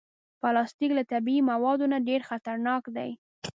پلاستيک له طبعي موادو نه ډېر خطرناک دی.